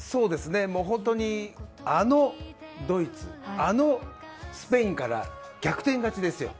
本当にあのドイツ、あのスペインから逆転勝ちですよ。